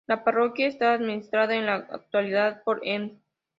La parroquia está administrada en la actualidad por Mn.